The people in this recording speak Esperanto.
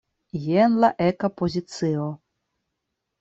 Jen la eka pozicio.